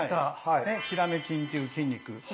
ヒラメ筋っていう筋肉。